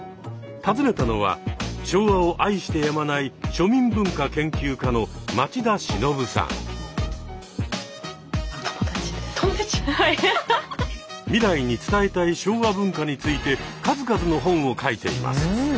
訪ねたのは昭和を愛してやまない未来に伝えたい昭和文化について数々の本を書いています。